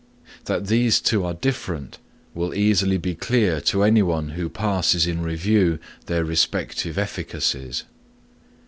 That these two are different will easily be clear to anyone who passes in review their respective efficacies.